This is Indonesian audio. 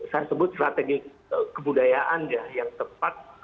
saya sebut strategi kebudayaan ya yang tepat